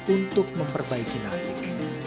untuk memperbaiki nasib